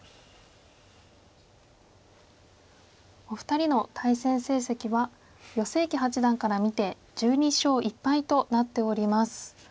お二人の対戦成績は余正麒八段から見て１２勝１敗となっております。